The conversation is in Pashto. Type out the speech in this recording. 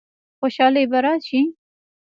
خوشحالي به راشي؟